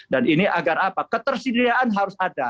dan ini agar apa ketersediaan harus ada